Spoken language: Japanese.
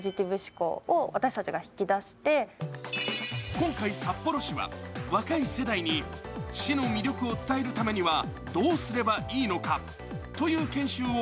今回札幌市は、若い世代に市の魅力を伝えるためにはどうすればいいのかという研修を